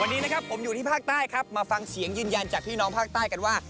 วันนี้นะครับผมอยู่ที่ภาคใต้ครับมาฟังเสียงยืนยันจากพี่น้องภาคใต้กันว่า